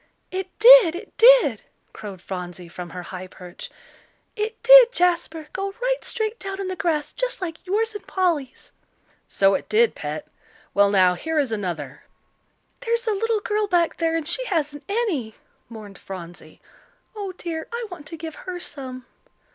"It did, it did," crowed Phronsie, from her high perch. "It did, Jasper, go right straight down in the grass just like yours and Polly's." "So it did, Pet. Well, now, here is another." "There's a little girl back there and she hasn't any," mourned Phronsie. "Oh, dear, I want to give her some."